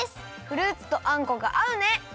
フルーツとあんこがあうね！